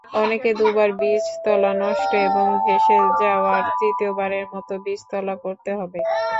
অনেকের দুবার বীজতলা নষ্ট এবং ভেসে যাওয়ার তৃতীয়বারের মতো বীজতলা করতে হবে।